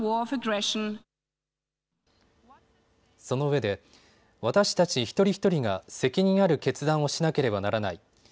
そのうえで私たち一人一人が責任ある決断をしなければならない。